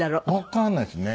わかんないですね。